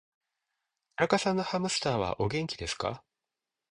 田中さんのハムスターは、お元気ですか。